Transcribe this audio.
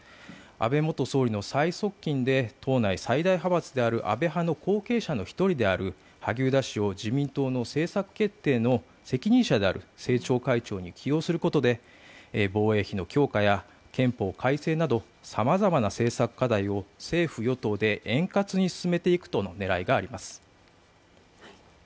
安倍元総理の最側近で党内最大派閥である安倍派の後継者の一人である萩生田氏を自民党の政策決定の責任者である政調会長に起用することで防衛費の強化や憲法改正など、さまざまな政策課題を政府・与党で円滑に進めていくとの狙いがあります。